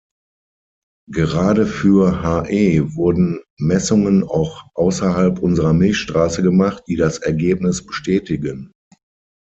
Gerade für He wurden Messungen auch außerhalb unserer Milchstraße gemacht, die das Ergebnis bestätigen.